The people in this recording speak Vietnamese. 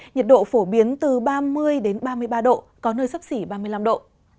nhiệt độ phổ biến từ ba mươi ba mươi ba độ có nơi sấp xỉ ba mươi năm độ